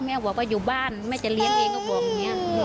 บอกว่าอยู่บ้านแม่จะเลี้ยงเองก็บอกอย่างนี้